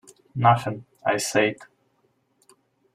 "Nothing," I said.